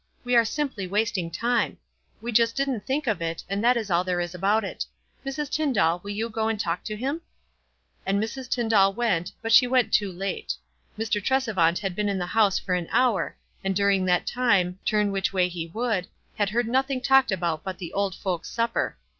"We are simply wasting time. We jnst didn't think of it, and that is all there is about it. Mrs. Tyndall, will you go and talk to him?" And Mrs. T} 7 ndall went, but she went too late. Mr. Tresevant had been in the house for an hour, and during that time, turn which way he would, had heard nothing talked about but the "old folks' supper."